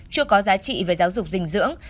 chưa có giá trị về giáo dục dinh dưỡng